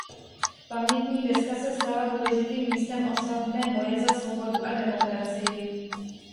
Pamětní deska se stala důležitým místem oslav Dne boje za svobodu a demokracii.